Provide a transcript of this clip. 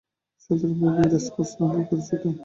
সাধারণভাবে এরা স্পঞ্জ নামে পরিচিত।